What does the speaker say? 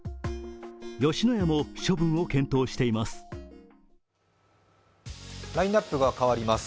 吉野家も処分を検討しています。